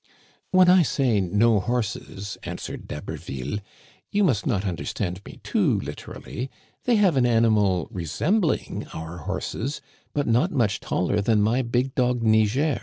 " "When I say no horses," answered D'Haberville, " you must not understand me too literally. They have an animal resembling our horses, but not much taller than my big dog Niger.